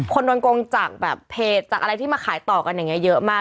คนโดนโกงจากแบบเพจจากอะไรที่มาขายต่อกันอย่างนี้เยอะมาก